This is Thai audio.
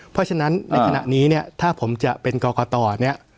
เพราะฉะนั้นในขณะนี้เนี่ยถ้าผมจะเป็นกรกตเนี่ย